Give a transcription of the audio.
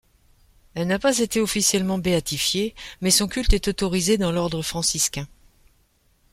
Elle n'a pas été officiellement béatifiée, mais son culte est autorisé dans l'Ordre franciscain.